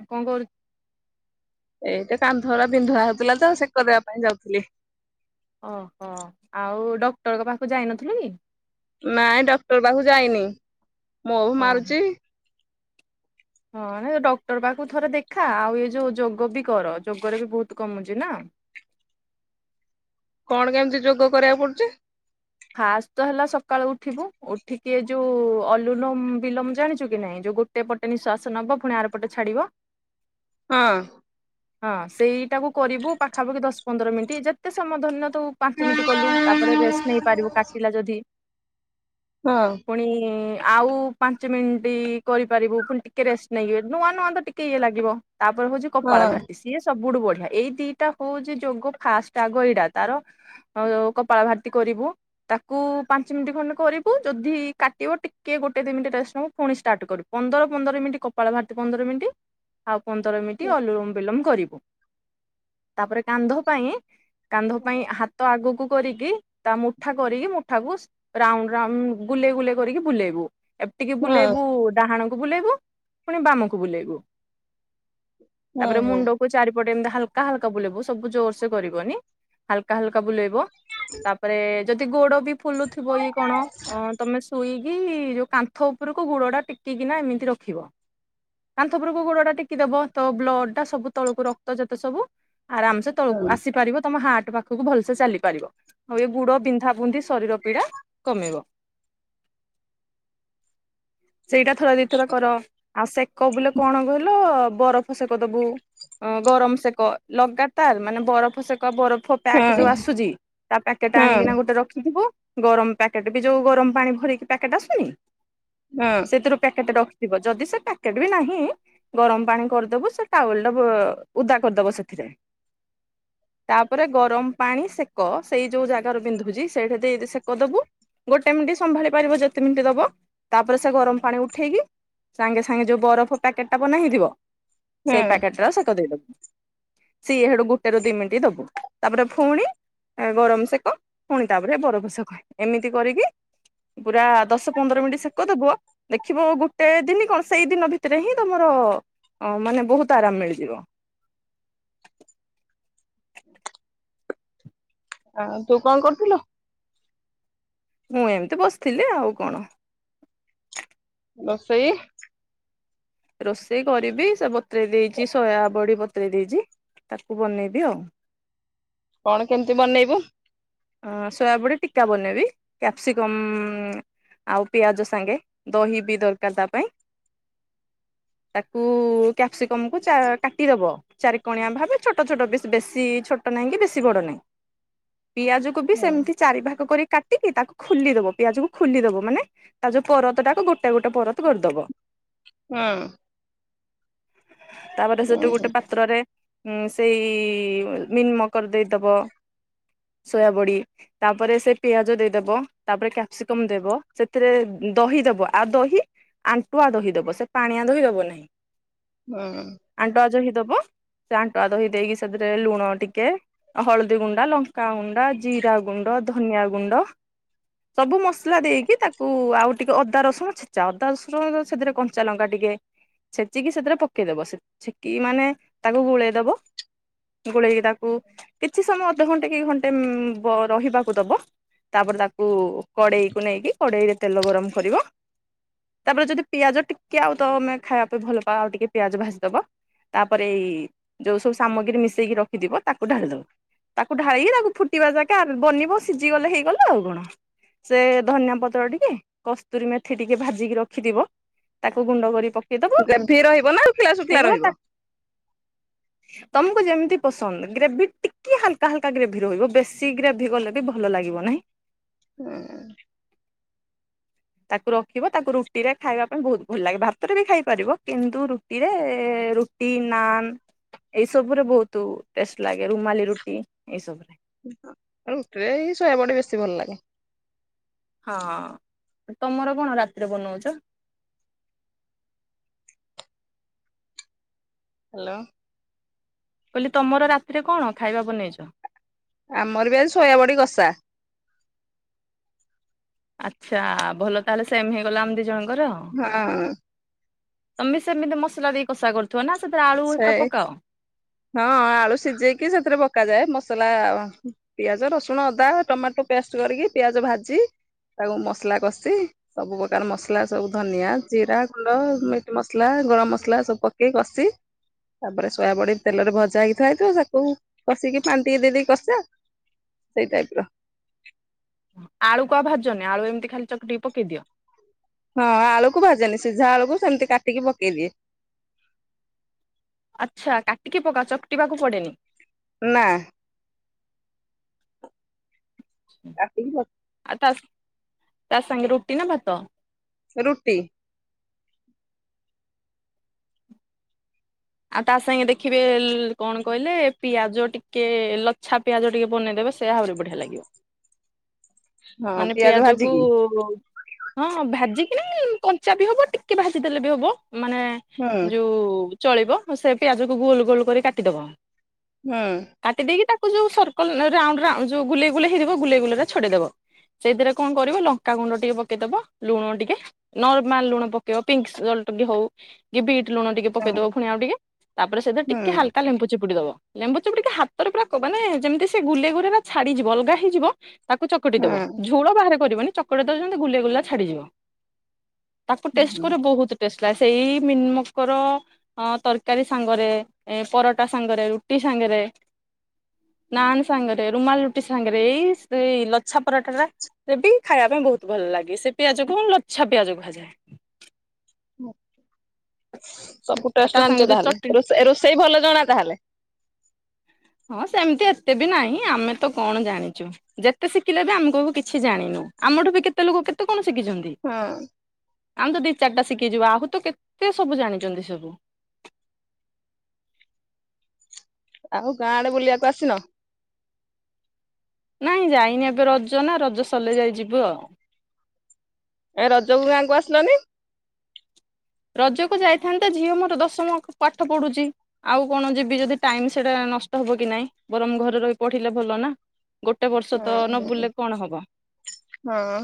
ଆଉ କଣ କରୁ ଏଇଟା କାନ୍ଧରା ବିନ୍ଧୁଆ ହୋଉଥିଲା ତ ଆଉ ସେକ ଦବା ପାଇଁ ଯାଉଥିଲି। ଓହୋ ଆଉ ଡକ୍ଟରଙ୍କ ପାଖକୁ ଯାଇନଥିଲୁ କି? ନାଇଁ ଡକ୍ଟର ପାଖକୁ ଯାଇନି ମୁବ୍ ହଁ ହଁ। ମାରୁଛି। ହଁ ନାଇ ଡକ୍ଟର ପାଖକୁ ଥରେ ଦେଖା ଆଉ ଏଇ ଯେଉଁ ଯୋଗ ବି କର ଯୋଗରେ ବି ବହୁତ କମୁଛି ନା। କଣ କେମିତି ଯୋଗ କରିବାକୁ ପଡୁଛି? ଫାଷ୍ଟ ତ ହେଲା ସକାଳୁ ଉଠିବୁ ଉଠିକି ଏ ଯୋଉ ଅଲୁନ ବିଲମ ଜାଣିଛୁ କି ନାଇଁ ଯୋଉ ଗୋ ଗୋଟେ ପଟେ ନିଃଶ୍ଵାସ ନବ ପୁଣି ଆର ପଟେ ଛାଡିବ। ହଁ। ହଁ ସେଇଟାୁ କରିବୁ ପାଖାପାଖି ଦଶ ପନ୍ଦର ମିନିଟ୍ ଯେତେ ସମୟ ଧରିିଲ ତୁ ପାଞ୍ଚ ମିନିଟ୍ କଲୁ ତାପରେ ରେଷ୍ଟ ନେଇପାରିବୁ କାଟିଲା ଯଦି। ହଁ। ପୁଣି ଆଉ ପାଞ୍ଚ ମିନିଟ୍ କରିପାରିବୁ ପୁଣି ଟିକେ ରେଷ୍ଟ ନେଇକ ନୂଆ ନୂଆ ତ ଟିକେ ଇଏ ଲାଗିବ। ତାପରେ ହଉଛି କପାଳ ହଁ। ଭାଟି। ସିଏ ସବୁଠୁ ବଢିଆ ଏଇ ଦିଟା ହଉଛି ଯୋଗ ଫାଷ୍ଟ ଆଗ ଏଇଡା ତାର କପଳ ଭାତ କରିବୁ। ତାକୁ ପାଞ୍ଚ ମିନିଟ୍ ଖଣ୍ଡେ କରିବୁ ଯଦି କାଟିବ ଟିକେ ଗୋଟେ ଦି ମିନିଟ ରା ଟକୁ ପୁଣି ଷ୍ଟାର୍ଟ କରିବୁ। ପନ୍ଦର ପନ୍ଦର ମିନିଟ୍ କପାଳ ଭାର୍ତି ପନ୍ଦର ମିନିଟ୍ ଆଉ ପନ୍ଦର ଏମିତି ଅଲୁମ ବିଲମ କରିବୁ ତାପରେ କାନ୍ଧ ପାଇଁ କାନ୍ଧ ପାଇଁ ହାତ ଆଗକୁ କରିକି ତା ମୁଠା କରିକି ମୁଠାକୁ ରାଉଣ୍ଡ ରା ଗୁଲେେଇ ଗୁଲେେଇ କରିକି ବୁଲେଇବୁ। ଏତିିକି ହଁ ହଁ ବୁଲେଇବୁ ଡାହାଣକୁ ବୁଲେଇବୁ ପୁଣି ବାମକୁ ବୁଲେଇବୁ। ହଁ ତାପରେ ହଁ ମୁଣ୍ଡ କୁ ଚିଟେ ଏମିତି ହାଲକା ହାଲକା ବୁଲବ ସବୁ ଜୋରସେ କରିବନି ହାଲକା ହାଲକା ବୁଲେଇବ। ତାପରେ ଯଦି ଗୋଡ ବି ଫୁଲୁଥିବ ଇଏ କଣ ଅ ତମେ ଶୋଇ କି ଯୋଉ କାନ୍ଥ ଉପରକୁ ଗୁଡ ଟା ଟେକିକିନା ଏମିତି ରଖିବ। କାନ୍ଥ ଉପରକୁ ଗୋଡ ଟା ଟେି ଦବ ତ ବ୍ଲଡ ଟା ସବୁ ତଳକୁ ରକ୍ତ ଯେତେ ସବୁ ଆରାମସେ ତଳକୁ ହଁ ଆସିପାରିବ ତମ ହାର୍ଟ ପାଖକୁ ଭଲସେ ଚାଲିପାରିବ। ଆଉ ଏ ଗୁଡ ବିନ୍ଧାାବନ୍ଧି ଶରୀର ପୀଡା କମେଇବ। ସେଇଟା ଥରେ ଦିଥର କର ଆଉ ସେକ ବୋଲେ କଣ କହିଲ ବରଫ ସେକ ଦବୁ। ଅ ଗରମ ସେକ ଲଗାତାର ମାନେ ବରଫ ସେକ ବରଫ ପ୍ୟାକ୍ ଯୋଉ ହଁ ଆସୁଛି ତା ପ୍ୟାକେଟା ଆଣିକିନା ଗୋଟେ ରଖିଥିବୁ। ଗରମ ପ୍ୟାକେଟ ବି ଯୋଉ ଗରମ ପାଣି ଭରିକି ପ୍ୟାକେଟ ଆସୁନି? ହଁ। ପ୍ୟାକେଟ ରଖିଥିବ ଯଦି ସେ ପ୍ୟାକେଟ୍ ବି ନାହିଁ। ଗରମ ପାଣି କରିଦବୁ ସେ ଟୱଲ ଟା ଉଦା କରିଦବ ସେଥିରେ। ତାପରେ ଗରମ ପାଣି ସେକ ସେଇ ଯୋଉ ଜାଗାରୁ ବିନ୍ଧୁଛି ସେଇଠି ଦେଇ ସେକ ଦବୁ ଗୋଟେ ମିନିଟ ସମ୍ଭାଳି ପାରିବ ଯେତେ ମିନିଟ୍ ଦବ। ତାପରେ ସେ ଗରମ ପାଣି ଉଠେଇକି ସାଙ୍ଗେ ସାଙ୍ଗେ ଯେଉ ବରଫ ପ୍ୟାକେଟ୍ଟା ବନେଇଥିବ ସେଇ ହଁ। ପ୍ୟାକେଟ ର ଆଉ ସେ କହିଦେଇଦବୁ। ସିଏଡୁ ଗୋଟେ ର ଦି ମିନିଟ ଦବୁ ତାପରେ ପୁଣି। ଗରମ ସେକ ପୁଣି ତାପରେ ବରଫ ସେକ ଏମିତି କରିକି ପୁରା ଦଶ ପନ୍ଦର ମିନିଟ୍ ସେ ସେକଦବୁ ଦେଖିବ ଗୋଟେ ଦିନ କଣ ସେଇ ଦିନ ଭିତରେ ହିଁ ତମର ଓ ମାନେ ବହୁତ ଆରାମ ମିଳିଯିବ। ଆଉ ତୁ କଣ କରୁଥିଲୁ। ମୁଁ ଏମିତି ବସିଥିଲି ଆଉ କଣ। ରୋଷେଇ? ରୋଷେଇ କରିବି ସେ ବତ୍ରେଇ ଦେଇଛି ସୋୟାାବଡି ବତର ଦେଇଛି ତାକୁ ବନେଇବି ଆଉ। କଣ କେମିତି ବନେଇବୁ। ଅ ସୋୟାବୁଟେ ଟୀକା ବନେଇବି କ୍ୟାପ୍ସିକମ୍ ଆଉ ପିଆଜ ସାଙ୍ଗେ ଦହି ବି ଦରକାର ତା ପାଇଁ। ତାକୁ କ୍ୟାପ୍ସିକମ କୁ କାଟିଦବ। ଚାରି କଣିଆ ଭାବେ ଛଟ ଛୋଟ ବେଶ ବେଶୀ ଛୋଟ ନାହିଁ କି ବେଶୀ ବଡ଼ ନାହିଁ। ପିଆଜକୁ ବି ହୁଁ ସେମିତି ଚାରି ଭାଗ କରି କାଟିକି ତାକୁ ଖୋଲିଦବ ପିଆଜ କୁ ଖୋଲିଦବ ମାନେ। ତା ଯୋଉ ପରତା ଟାକୁ ଗୋଟେଏ ଗୋଟେଏ ପରତ କରିଦବ। ହୁଁ ତାପରେ ସେଠୁ ହୁଁ ଗୋଟେଏ ପାତ୍ରରେ ହୁଁସେଇ ମନ୍ ମକର ଦେଇଦବ ସୋୟାବଳି ତାପରେ ସେ ପିଆଜ ଦେଇଦବ ତାପରେ କ୍ୟାପସିକମ ଦେବ ସେଥିରେ ଦହି ଦେବ ଆଉ ଦହି ଆଣ୍ଟୁଆ ଦହିଦବ ସେ ପାଣିଆ ଦହିଦବ ନାହିଁ ହୁଁ ଆଣ୍ଟୁଆ ଦହି ଦବ ସେ ଆଣ୍ଟୁଆ ଦହି ଦେଇକି ସେଥିରେ ଲୁଣ ଟିକେ ହଳଦୀ ଗୁଣ୍ଡା ଲଙ୍କା ଗୁଣ୍ଡ୍। ଗାଆ ଜିରା ଗୁଣ୍ଡ, ଧନିଆ ଗୁଣ୍ଡ ସବୁ ମସଲା ଦେଇକି ତାକୁ ଆଉ ଟିକେ ଅଦା ରସୁଣ ଛେଚା ଅଦା ରସୁଣ ସେଥିରେ କନ୍ କଚା ଲଙ୍କା ଟିକେ ଛେଚିକି ସେଥିରେ ପକେଇଦବ ଛିକ୍ ଛେକିକି ମାନେ ତାକୁ ଗୋଳେଇଦବ। ଗୋଳେଇକି ତାକୁ କିଛି ସମୟ ଅଧଘଣ୍ଟେ କି ଘଣ୍ଟେଏ--ଉଁ-ଗର ରହିବାକୁ ଦବ। ତାପରେ ତାକୁ କଡ଼େଇ କୁ ନେଇକି କଡେଇ ରେ ତେଲ ଗରମ କରିବ ତାପରେ ଯଦି ପିଆଜ ଟିକେ ଆଉ ତଅ ତମେ ଖାଇବା ଭଲ ପାଅ ଆଉ ଟିକେ ପିଆଜ ଭାଜିଦବ। ତାପରେ ଏଇ ଯୋଉ ସବୁ ସାମଗ୍ରୀ ମିଶେଇକି ରଖିଥିବ ତାକୁ ଢାଳି ଦବ ତାକୁ ଢାଳିକି ତାକୁ। ଫୁଟିବା କଥା ବନେଇବ ସିଝିଗଲେ ହେଇଗଲେ ଆଉ କଣ। ସେଏ ଧନିଆ ପତ୍ର ଟିକେ କସ୍ତୁରୀ ମେଥି ଟିକେ ଭାଜିକି ରଖିଥିବ ତାକୁ ଗୁଣ୍ଡ କରି ପକେଇଦବ ଗ୍ରେଭି ରହିବ ନା ଶୁଖିଲା ଶୁଖିଲା ହେଇଗଲା ରହିବ? ତାକ୍ ତମକୁ ଯେମିତି ପସନ୍ଦ ଗ୍ରେଭି ଟିକେ ହାଲକା ହାଲକା ଗ୍ରେଭ୍। ଭି ରହିବ ବେଶୀ ଗ୍ରେଭି ଗଲେ ବି ଭଲ ଲାଗିବ ନାହିଁ ଏଁ [inaudible] ତାକୁ ରଖିବ ତାକୁ ରୁଟିରେ ଖାଇବା ପାଇଁ ବହୁତ୍ ଭଲ ଲାଗେ ଭାତରେ ବି ଖାଇପାରିବ କିନ୍ତୁ ରୁଟ୍। କିରେ ରୁଟି, ନାନ୍। ଏଇ ସବୁରେ ବହୁତ୍ ଉଁ ଟେଷ୍ଟ ଲାଗେ ରୁମାଲି ରୁଟି ଏଇ ସବୁ ରୁଟିରେ ଏଇ ଶୋୟା ବଡ଼ି ବେଶୀ ଭଲ ଲାଗେ ହଁ ତମର କଣ ରାତିରେ ବନେଉଚ ହ୍ୟାଲୋ କହିଲି ତମର ରାତିରେ କଣ ଖାଇବା ବନେଇଚ ଆମର ବି ଆଜି ଶୋୟା ବଡି କସା ଆଚ୍ଛା ଭଲ ତାହେଲେ ସେମ ହେଇଗଲାମ ଆମ ଦିଇ ଜଣଙ୍କର। ହଁ ତମେ ସେମିତି ମସଲା ଦେଇକି କଷା କରୁଥିବ ନାଁ ସେଥିରେ ଆଳୁ ଏକା ସେଇ ପକାଅ ହଁ ଆଳୁ ସିଝେଇକି ସେଥିରେ ପକାଯାଏ ମସଲା ପିଆଜ ରସୁଣ ଅଦା ଟମାଟୋ ପେଷ୍ଟ କରିକି ପିଆଜ ଭାଜି ତାକୁ ମସଲା କଷି ସବୁ ପ୍ରକାର ମସଲା ସବୁ ଧନିଆ, ଜିରା ଗୁଣ୍ଡ, ମିଟ ମସଲା, ଗରମ ମସଲା, ସବୁ ପକେଇ କଷି ତାପରେ ସୋୟା ବଡି ତେଲରେ ଭଜା ହେଇକି ଥାଏ ତ ତାକୁ କଷିକି ପାଣିଟିକେ ଦେଇ ଦେଇକି କଷା ସେଇ ଟାଇପର ଆଳୁ କଅ ଭାଜନା ଆଳୁ ଏମିତି ଖାଲି ଚକଡିକି ପକେଇ ଦିଅ। ହଁ ଆଳୁକୁ ଭାଜେନି ସିଝା ଆଳୁକୁ ସେମିତି କାଟିକି ପକେଇଦିଏ। ଆଚ୍ଛା କାଟିକି ପକା ଚକଟିବାକୁ ପଡେନି ନାଁ। ହୁଁ କାଟିକି ଆଉ ତାସା ତା ସାଙ୍ଗେ ରୁଟି ନା ଭାତ? ରୁଟି। ଆଉ ତା ସାଙ୍ଗେ ଦେଖିବେ ଲ କଣ କହିଲେ ପିଆଜ ଟିକେ ଲଚ୍ଛା। ପିଆଜ ଟିକେ ବନେଇଦବେ ସେ ଆହୁରି ବଢିଆ ଲାଗିବ। ହଁ ମାନେ ପିଆଜ କୁ। ଭାଜିକି ହଁ ଭାଜିିକିନି କଞ୍ଚା ବି ହବ ଟିକେ ଭାଜିଦେଲେ ବି ହବ ମାନେ। ହୁଁ ହୁଁ ଯୋଉ ଚଳିବ ସେ ପିଆଜକୁ ଗୋଲ ଗୋଲ କରି କାଟିଦବ। ହୁଁ। କାଟି ଦେଇକି ତାକୁ ଯୋଉ ସର୍କଲ ନହଲେ ରାଉଣ୍ଡ ରାଉଣ୍ଡ ଯୋଉ ଗୁଲେଇ ଗୁଲେଇ ହେଇଯିବ ଗୁଲେଇ ଗୁଲେଇରା ଛଡେଇଦବ। ସେଇଥିରେ କଣ କରିବ ଲଙ୍କାାଗୁଣ୍ଡ ଟିକେ ପକେଇଦବ ଲୁଣ ଟିକେ। ନର୍ମାଲ ଲୁଣ ପକେଇବ ପିଙ୍କ୍ ସଲ୍ଟ ବି ହଉ କି ବିଟ୍ ଲୁଣ ଟିକେ ହୁଁ ପକେଇଦବ ଫୁଣି ଆଉ ଟିକେ। ତାପରେ ସେଥିରେ ଟିକେ ହୁଁ ହାଲକା ଲେମ୍ବୁ ଚିପୁଡ଼ି ଦବ। ଲେମ୍ବଚୁପୁଡ଼ିକି ହାତରେ ପୁରା କ ମାନେ ଯେମିତି ସେ ଗୁଲେଇ ଗୁରାରା ଛାଡିଯିବ ଅଲଗା ହେଇଯିବ। ତାକୁ ଚକଟି ଦବ ଝୁଳ ବାହାରେ କରିବନି ଚକଟି ଦେବ ଯେମତି ଗୁଲେଇ ଗୁଲା ଛାଡିଯିବ। ତାକୁ ହୁଁ ଟେଷ୍ଟ ହୁଁ କରିବ ବହୁତ ଟେଷ୍ଟ ଲାଗେ ସେଇ ମିଲମୋକର ତର କାରୀ ସାଙ୍ଗରେ ଏ ପରଟା ସାଙ୍ଗରେ ରୁଟି ସାଙ୍ଗରେ। ନାନ୍ ସାଙ୍ଗରେ ରୁମାଲ୍ ରୁଟି ସାଙ୍ଗରେ ଏଇ ସେଇ ଲଚ୍ଛା ପରଟା ଟା। ସେ ବି ଖାଇବା ପାଇଁ ବହୁତ୍ ଭଲ ଲାଗେ ସେ ପିଆଜକୁ ଲଚ୍ଛା ପିଆଜ କୁହାଯାଏ। ମୁଁ ସବୁ ଆଉ ଟେଷ୍ଟ ତା ସାଙ୍ଗେ ଜାଣିଚ ଯୋଉ ତାହେଲେ ଚଟଣି ରୋଷେ ଏ ରୋଷେଇ ଭଲ ଜଣା ତାହେଲେ। ହଁ ସେମତି ଏତେ ବି ନାହିଁ ଆମେ ତ କଣ ଜାଣିଚୁ। ଯେତେ ଶିକିଲେ ବି ଆମ୍ କକୁ କିଛି ଜାଣିନୁ ଆମଠୁ ବି କେତେ ଲୋକ କେତେ କଣ ଶିକିଚନ୍ତି। ହଁ। ଆମ୍ ତ ଦି ଚାରଟା ଶିକିଚୁ ଆହୁରି ତ କେତେ ସବୁ ଜାଣିଚନ୍ତି ସବୁ। ଆଉ ଗାଁ ଆଡେ ବୁଲିବାକୁ ଆସିନ? ନାଇଁ ଯାଇନି ଏବେ ରଜ ନା ରଜ ସରଲେ ଯାଇ ଯିବୁ ଆଉ। ଏ ରଜକୁ ଗାଁ କୁ ଆସିଲନି? ରଜକୁ ଯାଇଥାନ୍ତେ ଝିଅ ମୋର ଦଶମ ପାଠ ପଢୁଚି। ଆଉ କଣ ଯିବି ଯଦି ଟାଇମ୍ ସେଟା ନଷ୍ଟ ହବ କି ନାଇଁ ବରଂ ଘରେ ରହି ପଢିଲେ ଭଲ ନା। ଗୋଟେ ବର୍ଷ ହଁ ତ ନବୁଲଲେ କଣ ହବ। ହଁ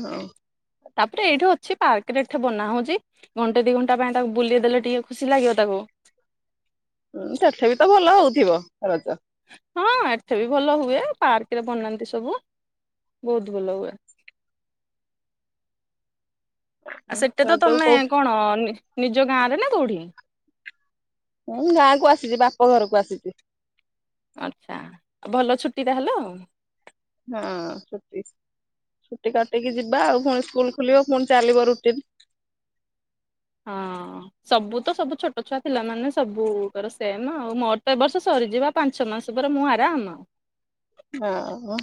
ତାପରେ ଏଇଠେ ଅଛି ପାର୍କ ରେ ଏଠେ ବନା ହଉଚି ଘଣ୍ଟେ ଦି ଘ ଣ୍ଟା ପାଇଁ ତାକୁ ବୁଲେଇ ଦେଲେ ଟିକେ ଖୁସି ଲାଗିବ ତାକୁ। ହୁଁ ସେଠେ ବି ତ ଭଲ ହଉଥିବ ରଜ। ହଁ ଏଠେ ବି ଭଲ ହୁଏ ପାର୍କରେ ବନାନ୍ତି ସବୁ ବହୁତୁ ଭଲ ହୁଏ। ଆ ସେଟେ ତ ରଜକୁ ତମେ କୋଉ କଣ ନି ନିଜ ଗାଁ ରେ ନା କୋଉଠି? ମୁଁ ଗାଁକୁ ଆସିଚି ବାପ ଘରକୁ ଆସିଚି। ଆଚ୍ଛା ଆ ଭଲ ଛୁଟି ତାହେଲେ ଆଉ। ହୁଁ ଛୁଟି ଛୁଟି କାଟିକି ଯିବା ଆଉ ଫୁଣି ସ୍କୁଲ ଖୋଲିବ ଫୁଣି ଚାଲିବ ରୁଟିନ୍। ହଁ। ସବୁ ତ ସବୁ ଛୋଟ ଛୁଆ ପିଲା ମାନେ ସବୁକର ସେମ୍ ନା ଆଉ ମୋର ତ ଏ ବର୍ଷ ସରିଯିବା। ପାଞ୍ଚ ମାସେ ପରେ ମୁଁ ଆରାମ୍ ଆଉ। ଓହୋ।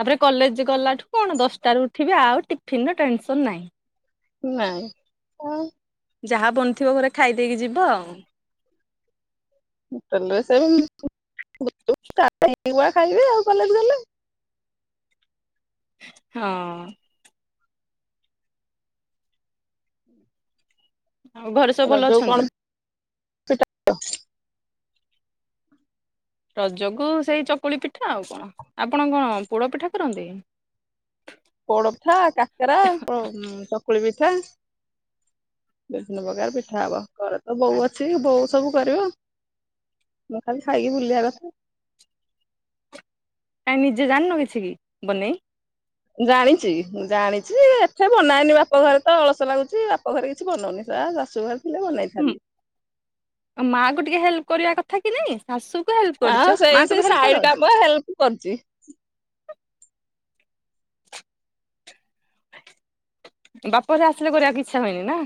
ତାପରେ କଲେଜ୍ ଗଲାଠୁ କଣ ଦଶଟାରୁ ଉଠିବି ଆଉ ଟିଫିନ୍ ର ଟେନସନ୍ ନାହିଁ। ନାଇଁ ହଁ। ଯାହା ବନଥିବ ଘରେ ଖାଇଦେଇକି ଯିବ ଆଉ। ହୋଟେଲରେ ସେଇ ଖାଇବା ଖାଇବି ଆଉ କଲେଜ୍ ଗଲେ ଆଉ। ହଁ। ହୁଁ। ଆଉ ଘରେ ସବୁ ଭଲ ରାଜ କୁ ଅଛନ୍ତି? କଣ [unintelligible] ରଜକୁ ସେଇ ଚକୁଳି ପିଠା ଆଉ କଣ ଆପଣ କଣ ପୋଡ଼ ପିଠା କରନ୍ତି? ପୋଡ଼ପିଠା କାକାରା [unintelligible] କୁଳି ପିଠା ବିଭିନ୍ନ ପ୍ରକାର ପିଠା ହବ ଘରେ ତ ବୋଉ ଅଛି ବୋଉ ସ ସବୁ କରିବ ମୁ ଖାଲି ଖାଇକି ବୁଲିଆ କଥା। କାଇହିଁ ନିଜେ ଜାଣିନୁ କିଛି କି ବନେଇ? ଜାଣିଛି ଜାଣିଛି ଏଠେ ବନାଏନି ବାପ ଘରେ ତ ଅଳସ ଲାଗୁଛି ବାପ ଘରେ କି କିଛି ବନଉନି ସା ଶାଶୁ ଘରେ ଥିଲେ ବନେଇଥାନ୍ତି। ମାଆ କୁ ଟିକେ ହେଲ୍ପ କରିବା କଥା କି ନାଇଁ ଶାଶୁ କୁ ହେଲ୍ପ କରୁଛ ମାଆ କୁ ବି ହେଲ୍ପ କର। ମ ହେଲପ୍ [unintelligible] ବାପ ଘରେ ଆସିଲେ କରିବାକୁ ଇଚ୍ଛା ହୁଏନି ନା।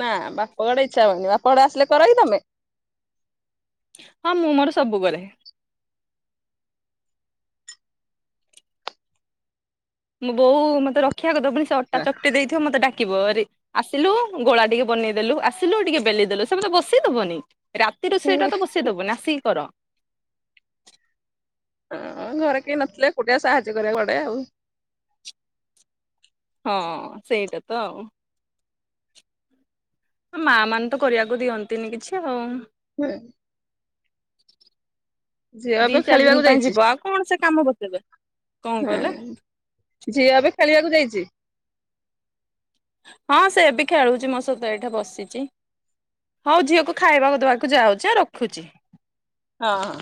ନା ବାପଘଡେ଼ ଇଛା ହଉନି ବାପଘଡେ଼ ଆସେ କର କିି ତମେ? ହଁ ମୁଁ ମୋର ସବୁ କରେ। ମୁଁ ବୋଉ ମତେ ରଖିବାକୁଦବ ପୁଣି ସେ ଅଟା ଚକଟି ଦେଇଥିବ ମତେ ଡାକିବ ରେ ଆସିଲୁ ଗୋଳା ଟିକେ ବନେଇଦେଲୁ ଆସିଲୁ ଟିକେ ବେଲିଦେଲୁ ସେମତେ ବସେଇଦବନି। ରାତିରୁ ସେଇଟା ତ ବସେଇ ଦବୁ ନାଆସିକି କର। ହଁ ଘରେ କେହି ନଥିଲେ ଏକୁଟିଆ ସାହାଯ୍ୟ କରିବା ପଡ଼େ ଆଉ। ହଁ ସେଇଟା ତ ଆଉ। ମା ମାନେ ତ କରିବାକୁ ଦିଅନ୍ତିନି କିଛି ଆଉ। ହୁଁ। ଝିଅ [inaudible] ଦି ଏବେ ଚାରି ଖେଳିବାକୁ ଦିନ ପାଇଁ ଯାଇଛି ଯିବ ଆଉ କଣ ସେ କାମ ବତେଇବେ କଣ ହଁ କହିଲ? ଝିଅ ଏବେ ଖେଳିବାକୁ ଯାଇଛି। ହଁ ସେ ବି ଖେଳୁଛି ମୋ ସହିତ ଏଇଠା ବସିଛି। ହଉ ଝିଅକୁ ଖାଇବାକୁ ଦବାକୁ ଯାଉଛି ଆଁ ରଖୁଛି। ହଁ।